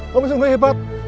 kamu sungguh hebat